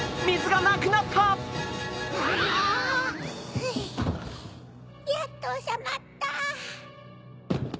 フゥやっとおさまった。